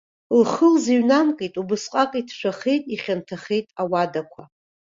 Лхы лзыҩнамкит, убасҟак иҭшәахеит, ихьанҭахеит ауадақәа.